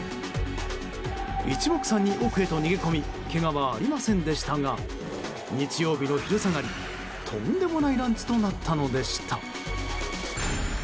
一目散に奥へと逃げ込みけがはありませんでしたが日曜日の昼下がりとんでもないランチとなったのでした。